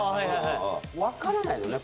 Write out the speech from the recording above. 分からないよね